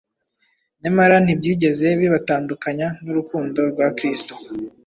nyamara ntibyigeze bibatandukanya n’urukundo rwa Kristo.